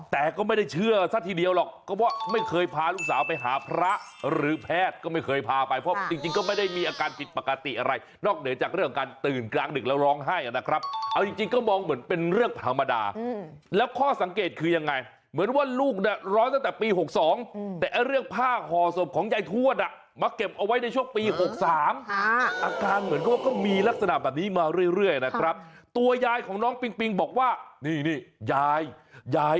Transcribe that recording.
แต่ก็ไม่ได้เชื่อสักทีเดียวหรอกก็ว่าไม่เคยพาลูกสาวไปหาพระหรือแพทย์ก็ไม่เคยพาไปเพราะจริงจริงก็ไม่ได้มีอาการผิดปกติอะไรนอกเหนือจากเรื่องของการตื่นกลางดึกแล้วร้องไห้อะนะครับเอาจริงจริงก็มองเหมือนเป็นเรื่องธรรมดาแล้วข้อสังเกตคือยังไงเหมือนว่าลูกน่ะร้อนตั้งแต่ปีหกสองแต่เรื่องผ้าห่อ